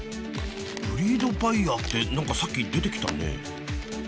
ブリードバイヤーって何かさっき出てきたね。